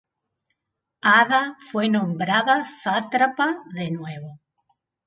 Ada fue nombrada sátrapa de nuevo.